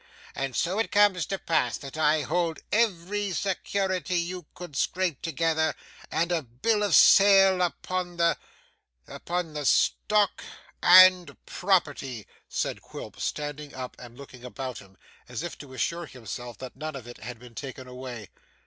And so it comes to pass that I hold every security you could scrape together, and a bill of sale upon the upon the stock and property,' said Quilp standing up and looking about him, as if to assure himself that none of it had been taken away.